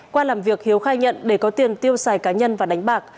qua làm việc hiếu khai nhận để có tiền tiêu xài cá nhân và đánh bạc